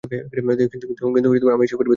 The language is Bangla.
কিন্তু আমি এসবের ভেতরে আর নেই।